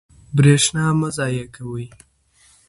برښنا مه ضایع کوئ.